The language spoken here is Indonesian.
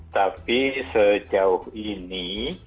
tapi sejauh ini